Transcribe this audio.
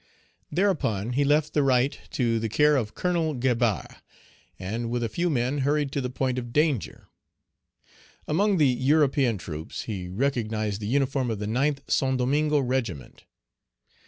Thereupon he left the right to the care of Colonel Gabarre, and with a few men hurried to the point of danger. Among the European troops he recognized the uniform of the Ninth Saint Domingo regiment.